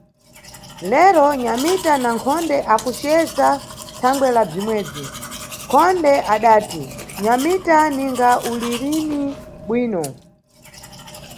Lero, Nyamita na Nkhonde akuceza thangwe la bzimwebzi, nkhonde adati: Nyamita, ninga ulirini bwino!